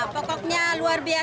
berapa tahun yang lalu itu